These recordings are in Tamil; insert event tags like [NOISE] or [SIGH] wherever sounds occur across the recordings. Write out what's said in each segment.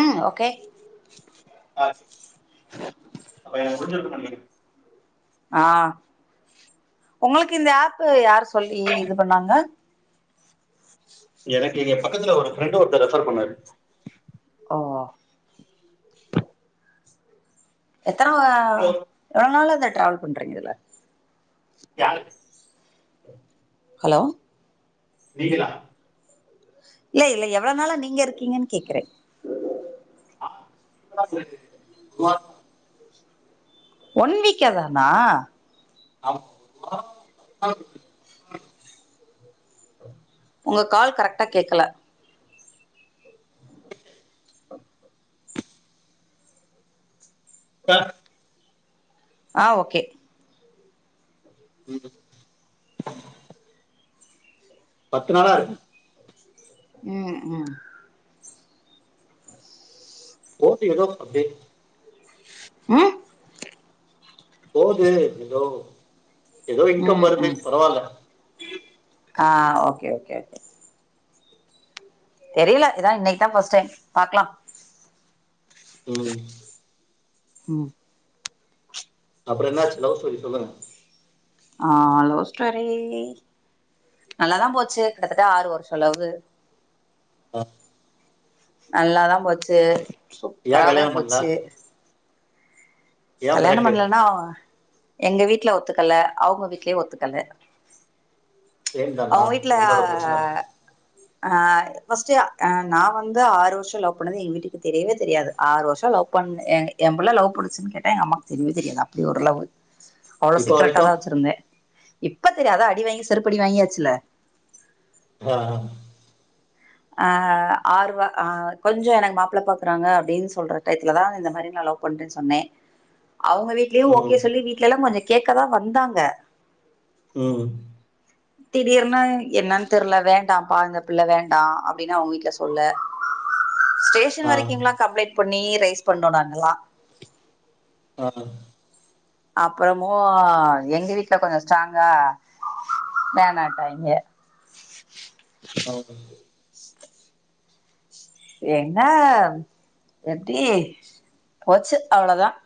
உம் ஓகே [INAUDIBLE] ஆஹ் உங்களுக்கு இந்த ஆப் யரு சொல்லி இது பண்ணாங்க எனக்கு எங்க பக்கத்துல ஒரு ஃப்ரெண்ட ஒருத்த ரெஃபர் பண்ணாரு ஆ எத்தன அவரு எவளோ நாள் அத ட்ராவல் பண்றீங்கல்ல யாரு ஹலோ நீங்களா இல்ல இல்ல எவ்வள நாளா நீங்க இருக்கீங்கன்னு கேக்குறே [INAUDIBLE] ஒன் வீக்கா தானா [UNINTELLIGIBLE] உங்க கால் கரெக்டா கேக்கல [UNINTELLIGIBLE] ஆ ஓகே [UNINTELLIGIBLE] பத்து நாளா இருக் ம் ம் போது ஏதோ அப்டே ம் போது எதோ எதோ இன்கம் ம் வருது ம் பரவால்ல ஆ ஓகே ஓகே ஓகே தெரியல இதா இன்னிக்கு தா இதா பர்ஸ்ட் டைம் பாக்கலா ம் ம் அப்றோ என்னாச்சி லவ் ஸ்டோரி சொல்லுங்க ஆ லவ் ஸ்டோரி நல்லா தா போச்சி கிட்டத்தட்ட ஆறு வருஷ லவ்வு ஆ நல்லா தா போச்சு ஏன் சூப்பராவே கல்யாணம் பண்ணல போச்சி ஏன் கல்யாண பிரேக்கப் பண்லனா எங்க வீட்ல ஒத்துக்கல அவுங்க வீட்லயு ஒத்துக்கல சேம் தானா என்னோட பிரச்சன தா ஹ பஸ்ட்டு நா வந்து ஆறு வருஷோ லவ் பண்ணது எங்க வீட்டுக்கு தெரியவே தெரியாது ஆறு வருஷோ லவ் பண்ண ய புள்ள லவ் பண்ணச்சின்னு கேட் எங்க அம்மாக்கு தெரியவே தெரியாது அப்டி ஒரு லவ்வு அவ்ளோ இப்போ சீக்கரட்டா தா வரைக்கும் வெச்சிருந்தே இப்ப தெரியாதா அடி வாங்கி செருப்படி வாங்கியாச்சில ஆ ஆ ஆ ஆர்வ ஆ கொஞ்ஜோ எனக்கு மாப்புள பாக்குறாங்க அப்டின்னு சொல்ற டயத்துல தா இந்த மாரி நா லவ் பண்றேன்னு சொன்னே அவுங்க வீட்லயு ம் ஓகே சொல்லி வீட்லெல்லா கொஞ்ச கேக்க தா வந்தாங்க ம் திடீர்னு என்னன்னு தெர்ல வேண்டாம்ப்பா இந்த பிள்ள வேண்டா அப்டின்னு அவுங்க வீட்ல சொல்ல ஸ்டேஷன் ஆ வரைக்குங்கலா கம்ப்ளைட் பண்ணி ரைஸ் பண்ணோ நாங்களா ஆ அப்புறமும் எங்க வீட்டுல கொஞ்சம் ஸ்ட்ராங்கா வேனாட்டாய்ங்க ஹ என்ன எப்டி போச்சு அவ்வளோதான்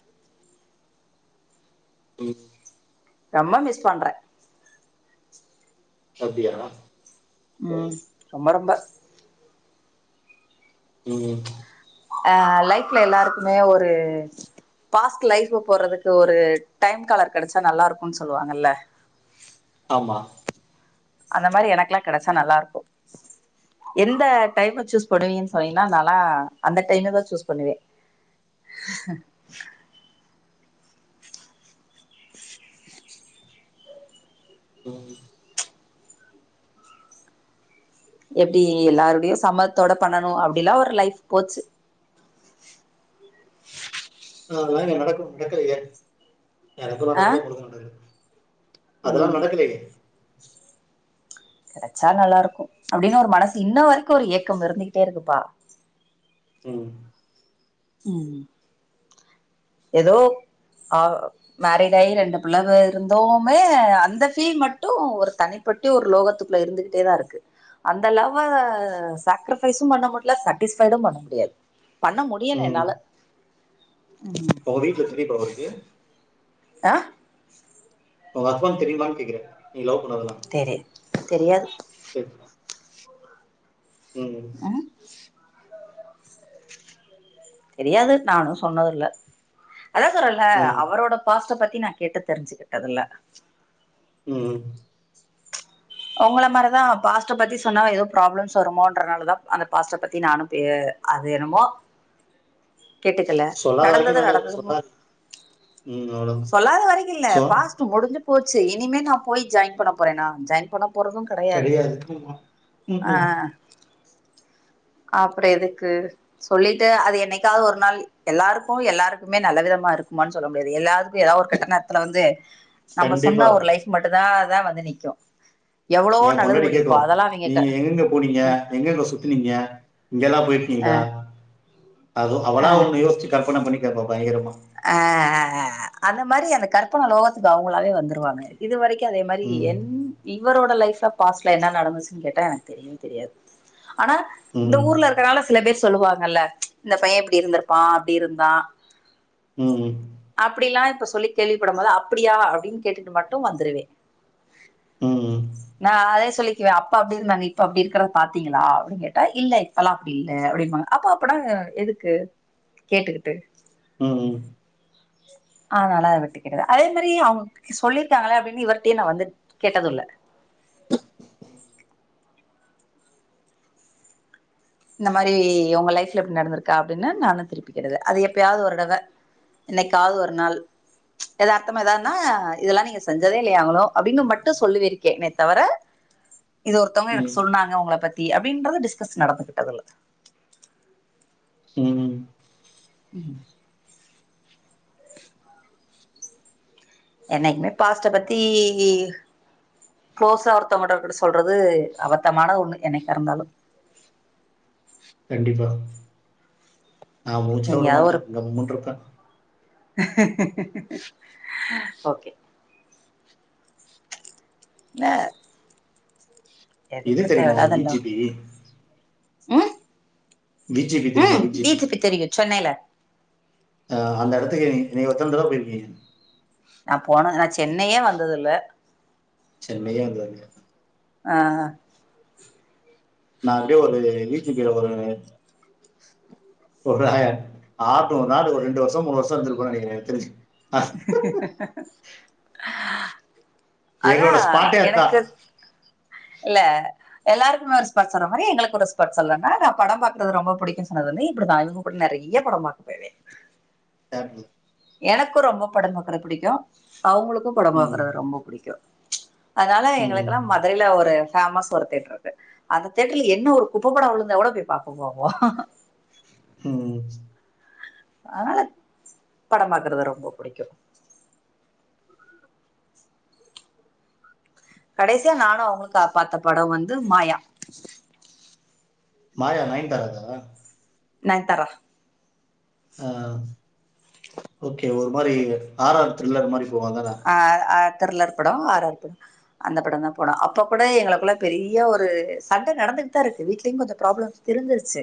ம் ரொம்ப மிஸ் பண்றேன் சத்தியாத உம் ரொம்ப ரொம்ப உஹம் அஹ் லைஃப்ல எல்லாருக்குமே ஒரு பாஸ்ட் லைஃப் போடுறதுக்கு ஒரு டைம் கலர் கிடைச்சா நல்லா இருக்கும்ன்னு சொல்லுவாங்கல்ல ஆமா அந்த மாரி எனக்குெல்லாம் கிடைச்சா நல்லா இருக்கும் எந்த டைம் சூஸ் பண்ணுவீன்னு சொன்னீங்கன்னா நல்லா அந்த டைமு தான் சூஸ் பண்ணுவேன் அஹ எப்படி எல்லாரருடையும் சம்மத்தோட பண்ணணும் அப்படிலாம் ஒரு லைஃப் போச்சு ஆனா இங்க நடக்கணு நடக்கலைய எனக்கும் ஆ நடக்கல உங்களுக்கு நடக்கல அதெல்லாம் ம் நடக்கலயே கிடைச்சா நல்லா இருக்கும் அப்படின்னு ஒரு மனசு இன்ன வரைக்கும் ஒரு இயக்கம் இருந்துகிட்டே இருக்குப்பா ம் உம் ஏதோ ஆஹ மேரிட் ஆகி ரெண்டு பிள்ளவ இருந்தோமே அந்த ஃபீல் மட்டும் ஒரு தனிப்பட்டி ஒரு லோகத்துக்குள்ள இருந்துகிட்டே தான் இருக்கு அந்த லவ்வ சக்கரிபைஸும் பண்ண முடியல சாட்டிஸ்பைடும் பண்ண முடியாது பண்ண முடியல ம் என்னால உங்க வீட்ல எத்தன [UNINTELLIGIBLE] இருக்கு ஆஹ உங்க ஹஸ்பெண்ட் தெரியுமானு கேக்குறேன் நீங்க லவ் பண்ணதெல்லா தெரி தெரியாது உம் ம் தெரியாது நானும் சொன்னதில்ல அதான் சொரல ம் அவரோட பாஸ்ட பத்தி பத்த நா கேட்டு தெரிஞ்சுகிட்டதுல்ல உம் உங்களளை மாரிதான் பாஸ்ட பத்தி சொன்னா ஏதோ ப்ராப்ளம்ஸ் வருமோன்றனாலதான் அந்த பாஸ்ட பத்தி நானும் பே அதுணுமோ கேட்டுக்கல சொல்லாத நடந்தது வரைக்கு நல்லது நடந்ததுமோ சொல்லாதீங்க ம் அவ்ளோதா சொல்லாத வரைக்குல்ல சோ பாஸ் முடிஞ்சு போச்சு இனிமே நா போய் ஜாயின் பண்ண போறேன் நா ஜாயின் போறதும் கிடையாது கெடையாது ஆமா ம் ம் ஆஹ் அப்புறம் எதுக்கு சொல்லிட்டு அது என்னைக்காவது ஒரு நாள் எல்லாருக்கும் எல்லாருக்குமே நல்ல விதமா இருக்குமான்னு சொல்ல முடியாது எல்லாருக் ஏத ஒரு கட்ட நேரத்துல வந்து நம்ம கண்டிப்பா சொன்ன ஒரு லைஃப் மட்டும் தான் தா வந்து நிக்கு எவ்ளோ ஏ நல்லது பொன்னாடி பண்ணிருப்போ கேக்கும் அதெல்லா அவிங்க க நீங்க எங்கங்க போனீங்க எங்கங்க சுத்துனீங்க இங்கெல்லாம் போயி அ கீங்களா அது அவலா ஒன்னு யோசிச்சு கற்பன பண்ணி கேப்பா பயங்கரமா அஹ் அந்த மாரி அந்த கற்பன லோகத்துக்கு அவங்களாவே வந்துருவாங்க இது வரைக்கும் அதே மாரி ம் என் இவரோட லைப்ல பாஸ்ட்ல என்ன நடந்துச்சுன்னு கேட்டா எனக்கு தெரியவே தெரியாது ஆனா இந்த ம் ஊர்ல இருக்கிறனால சில பேர் சொல்லுவாங்கல்ல இந்த பையன் இப்படி இருந்திருப்பான் அப்படி இருந்தான் உம் உம் அப்படில்லா இப்ப சொல்லி கேள்விப்படும் போது அப்டியா அப்படின்னு கேட்டுட்டு மட்டும் வந்துருவேன் ம். நா அதே சொல்லிக்குவேன் அப்பா அப்படி இருந்தாங்க இப்ப அப்படி இருக்கிறதா பாத்தீங்களா அப்படின்னு கேட்டா இல்ல இப்பல்லாம் அப்படி இல்ல அப்படின்னுாங்க அப்ப அப்பனா எதுக்கு கேட்டுக்கிட்டு உம் ம் அதனால அத விட்டிக்கிரியா அதே மாரி அவுங்க சொல்லியிருக்காங்களே அப்டின் இவர்டையு நா வந்து கேட்டதுல்ல இந்த மாரி உங்க லைஃப்ல எப்டி நடந்துருக்கா அப்டின் நானு திருப்பிக்கேட்ட அது எப்பியாவது ஒரு தடவ என்னைக்காவது ஒரு நாள் எதார்த்தமா ஏதான்னா இதெல்லா நீங்க செஞ்சதே இல்லையாங்குளோ அப்டிங்கு மட்டும் சொல்லுவேருக்கேன்னே தவிர இது ஒருத்தவங்க எனக்கு ம். சொன்னாங்க உங்கள பத்தி அப்டின்றது டிஸ்கஸ் நடக்குது அதுல உம் உம் என்னைக்குமே பாஸ்ட்ட பத்தி க்ளோஸா அருத்தவங்கர்கிட்ட சொல்றது அவத்தமான ஒண்ணு என்னைக்காருந்தாலு கண்டிப்பா நா மூச்சே எங்கேயாவது உடமாட்டே ஒரு இவன் மூண்று கண் ஓகே ந இது எதுக்கு தெரியுமா உங்களுக்கு தேவையில்லாதல்லா விஜிபி? உம் வீஜேபி தெரியுமா விஜிபி தெரியு சென்னையில அஹா அந்த இடத்துக்கே நீங் ஒத்தன் தட போயிருக்கீங்க நா போதுனா நா சென்னையே வந்ததுல்ல சென்னையே வந்ததில்ல ஆஹ் நா அப்டியே ஒரு வீஜிபியில ஒரு ஒரு ஆட்டோ நாள் ஒரு ரெண்டு வருஷம் மூணு வருஷம் இருந்திருப்பே நினைக்கிற எனக் தெரிஞ்சு அஹ், [INAUDIBLE] அதா எங்களோட ஸ்பாட்டே அதான். எனக்குத் இல்ல எல்லாருக்குமே ஒர் ஸ்பார்ட் சொல்ற மாரி எங்குளுக்கு ஒரு ஸ்பார்ச் சொல்லுன்னா நா படம் பாக்குறது ரொம்ப பிடிக்கும் சொன்னதுமே இப்டிதா இவுங்க கூட நெறைய படம் பாக்க போவே [UNINTELLIGIBLE] எனக்கு ரொம்ப படம் பாக்குற பிடிக்கு அவுங்களுக்கும் படம் ம். பாக்குற ரொம்ப பிடிக்கு அதனால ம். எங்குளுக்கெல்லா மதுரையில ஒரு பேமஸ் ஒரு தேட்டர் இருக்கு அந்த தேட்டர்ல என்ன ஒரு குப்பப்படம் விழுந்தா கூட போய் பாக்க போவோ ம். ஆஹத் படம் பாக்குறது ரொம்ப புடிக்கு கடைசியா நானு அவுங்குளும் பாத்த படம் வந்து மாயா மாயா நயன்தாராத நயன்தாரா ஆஹ் ஓக்கே ஒரு மாரி ஆறார் த்ரில்லர் மாரி போவான் அதானே? ஆஹ் அ த்ரிலர் படோ ஆறார்து அந்த படந்தா போனோ அப்ப கூட எங்களுக்குள்ள பெரிய ஒரு சண்ட நடந்துட்டுதா இருக்கு வீட்லயும் கொஞ்சம் ப்ராப்ளம் தெரிஞ்சிருச்சு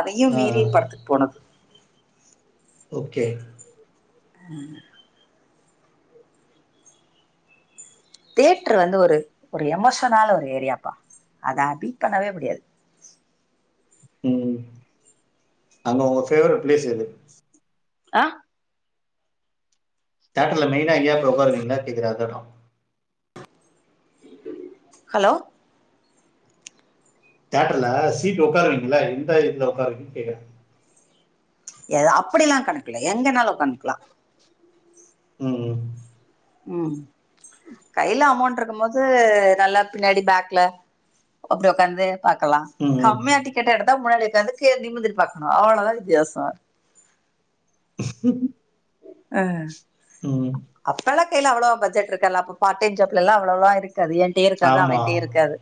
அதையும் ஆ. மீறி படத்துக்கு போனது ஓக்கே உம் தியேட்ரு வந்து ஒரு ஒரு எமாஷ்னால ஒரு ஏரியாப்பா அத அடிட் பண்ணவே முடியாது உம் அங்க உங்க ஃபேவ்ரேட் பிளேஸ் எது அஹ் தடுத் இல்ல மெயினா எங்கியாவது போய் உக்காருவீங்களான் கேக்குறே அத்தெடம் ஹலோ தேட்டர்ல சீட் உட்காருவீங்கள எந்த இதுல உகாருவீங்கன்னு கேக்குறேன் ஏதா அப்படிலாம் கணக் கு இல்ல எங்கனாலும் உட்காந்துகலாம் உம் உம் உம் கையில அமௌண்ட் இருக்கும் போது நல்லா பின்னாடி பேக்ல அப்டி உக்காந்து பாக்கலாம் ம். கம்மியா டிக்கெட் எடு த்தா முன்னாடி உக்காந்து கீழ நிமிந்திட்டு பாக்கணும் அவ்வளோதான் வித்தியாசம் [INAUDIBLE] ஆஹ் உம் அப்பயெல்லாம் அவ்வளவா பட்ஜெட் இருக்காது அப்போ பார்ட் டைம்ஜாப்லல்லாம் அவ்வளோலாம் இரு க்காது என்டயே இருக்காது அவன்டயே இருக்காது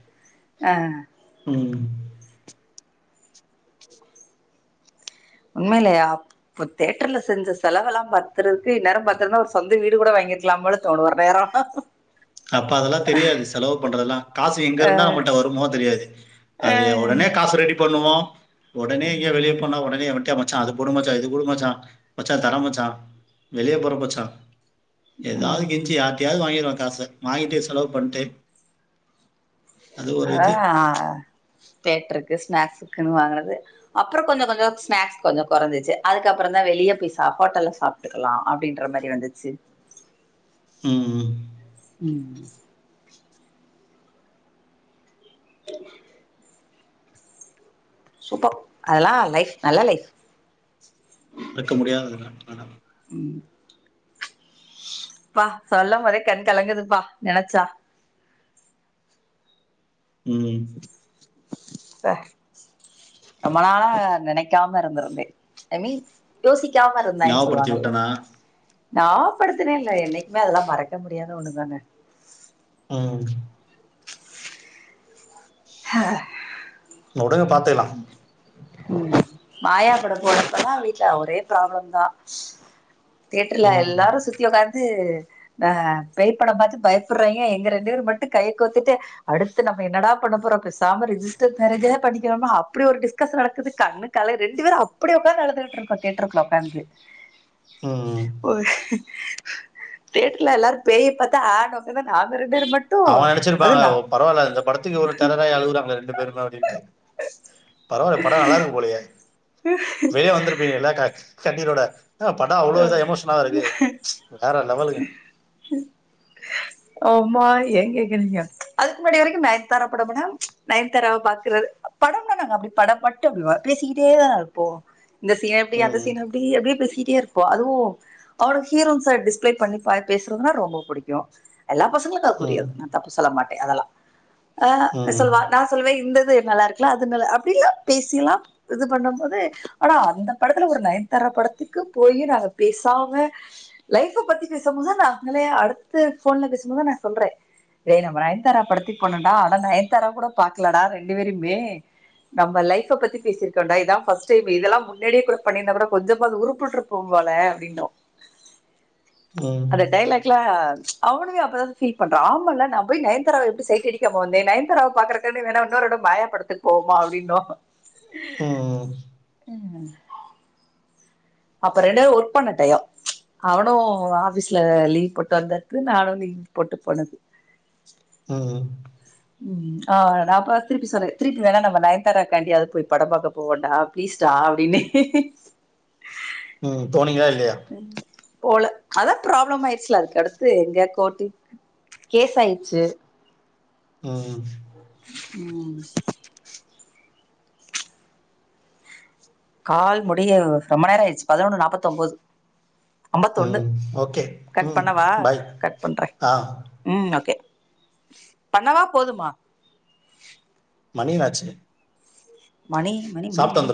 ஆஹ் உம் உண்மைலயா அப்ப தேட்டர்ல செஞ்ச செலவுல்லாம் பாத்துறதுக்கு இந நேரம் பாத்துதுன்னா ஒரு சொந்த வீடு கூட வாங்கிருக்கலாம் போல தோணு ஒரு நேரம் குங் அப்ப அதெல்லாம் தெரியாது செலவு பண்றதுெல்லாம் காசு எங்க இருந்தா நம்மிட்ட வருமோ தெரியாது அது உடனே காசு ரெடி பண்ணுவோம் [INAUDIBLE] ஒடனே எங்கயா வெளியே போனா ஒடனே மச்சான் அது போடுமச்சா இது போடுமமச்சான் மச்சா தரேன் மச்சான் வெளியே போற மச்சான் ஏதாவது கெஞ்சி ம் யாருட்டயாவது வாங்கிருவாங்க காச வாங்கிட்டு செலவு பண்ட்டு அது ஒரு இது. அதான் தேட்டருக்கு ஸ்நாக்ஸுக்குன்னு வாங்குனது அப்புறம் கொஞ்சம் கொஞ்சம் ஸ்நாக்ஸ் கொஞ்சம் கொறைஞ்சிச்சு அதுக்கப்புறம் தான் வெளிய போய் சாப்பாடெல்லாம் சாப்பிட்டுக்கலாம் அப்படின்ற மாதிரி வந்துச்சு உம் உம் உம் [INAUDIBLE] அதெல்லாம் லைஃப் நல்ல லைஃப் இருக்க முடியாதுகிற நெலம ம் ப்பா சொல்லும் போதே கண் கலங்குதுப்பா நெனைச்சா உம் ப்பா ரொம்ப நாளா நெனைக்காம இருந்திருந்தே ஐ மீன் யோசி க்காம இருந்தான்னு ஞாபகப்படுத்தி சொல்லுவாங்கல்ல விட்டனா? ஞாவ படுத்தினே இல்ல என்னைக்குமே அதெல்லாம் மறக்க முடியாத ஒண்ணுதானே ம் ஆஹ [UNINTELLIGIBLE] பாத்துக்கலாம் மாயாப்பட போறப்பல்லாம் வீட்டுல ஒரே ப்ராப்ளம் தான் தேட்டுர்ல ம். எல்லாரும் சுத்தி உக்காந்து ஹ பேய் படம் பார்த்து பயப்படுறீங்க எங்க ரெண்டு பேரும் மட்டும் கைய கோத்துட்டு அடுத்து நம்ம என்னடா பண்ண போறோம் பேசாம ரிஜிஸ்டர் மேரேஜ்ஜே பண்ணிக் கணுமா அப்படி ஒரு டிஸ்கஷன் நடக்குது கண்ணுக்கல ரெண்டு பேரும் அப்டி உக்காந்து அழுதுகிட்டு இருக்கோம் தியேட்டர் குள்ள உக்காந்து ம். போஓ தேட்டுரல எல்லாரும் பேய பார்த்தா ஆனும் அவன் நினைச்சிருப்பாங்க நா பரவாயில்ல இந்த படத்துக்குவ்வள தலராய் அழுகுகறாங்க ரெண்டு பேருமே அப்படின்னுட்டு பரவாயில்லலை படம் நல்லா இருக்கும் போலயே பேய்யா வந்து இருப்பீங்கல [UNINTELLIGIBLE] [UNINTELLIGIBLE] ஹ படம் அவ்வளவு இதான் எமோஷனா இருக்கு வேற லெவலுங்க ஆமா ஏன் கேக்குறீங்க அதுக்கு முன்னாடி வரைக்கும் நைன்த்தாரா படம்டா நயன்த்தாரவ பாக்குறது படம்னா நாங்க அப்டி படம் மட்டும் அப்படி பேசிக்கிட்டே தான இருப்போம் இந்த சீன எப்டி அந்த ம். சீன அப்டி அப்படியே பேசிட்டு டே இருப்போம் அதுவும் அவளோ ஹீரோன்ஸ டிஸ்பிளே பண்ணி பேசுறதுன்னா ரொம்ப பிடிக்கும் எல்லா பசங்களுக்கும் அது ம். புரியாது நா தப்பு சொல்ல மாட் அதெல்லாம் ஆ ம். சொல்லவா நான் சொல்வேன் இந்த து நல்லா இருக்கலாம் அது அப்படல்லாம் பேசலாம் இது பண்ணும் போது ஆனா அந்த படத்துல ஒரு நயன்தாரா படத்துக்கு போய் நாங்க பேசாம லைஃப் பத்தி பேசும்போது நாங்களே அடுத்து போன்ல பேசும்போதான் நான் சொல்றேன் டே நம்ம நயன்தாரா படுத்தி போனடா ஆனா நயன்தாரா கூட பாக்கலடா ரெண்டு பேருமே நம்ம லைப் பத்தி பேசிருக்கோன்டா இதான் ஃபர்ஸ்ட் டைம் இதெல்லாம் முன்னாடியே கூட பண்ணிருந்தா கூட கொஞ்சமா அது உருப்பட்டுருப்பபோம் போல அப்டின்னோ ம். அந்த டயலாக் லா அவனுமே அப்பதான் ஃபீல்பண்ரா ஆமால்ல நான் போய் நயன்தாராவ எப்படி சைட் அடிக்காம வந்தேன் நயன்தாராவ பாக்குறதுக்குன்ன வேணா இன்னொரு தடவ மாய படத்துக்கு போவோம்மா அப்படின்னும் உம் அப்ப ரெண்டு பேரும் ஒர்க் பண்ண டயம் அவனும் ஆபீஸ்ல லீவ் போட்டு வந்தடுக்கு நானும் லீவ் போட்டு போனுது ம் உம் ஆஹ நான்ப்ப திருப்பி சொல்றேன் திருப்பி வேணா நம்ம நயன்தாராக்காண்டிாவது போய் படம் பாார்க்க போகண்டா பிளீஸ்டா அப்படின்னு உம் போனிங்கல்லா உம் போல அதான் ப்ராப்ளம் ஆயிடுச்சுல அதுக்கு அடுத்து எங்க கோர்ட் கேஸ் ஆயிடுச்சு ம் உம் கால் முடிய ரொம்ப நேரம் ஆயிடுச்சு பதினொன்னு நாற்பத்த ஒன்பது ஐம்பத்து ஒண்ணு ம். ஓகே. கட் ம். பண்ணவா பாய். கட் பண்றேன் ஆ. உம் ஓகே பண்ணவா போதுமா மணி என்னாச்சி மணி மனி மணி மணி